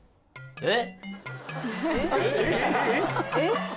・えっ？